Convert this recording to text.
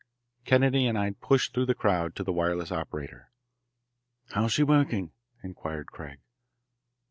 Kennedy and I pushed through the crowd to the wireless operator. "How's she working?" inquired Craig.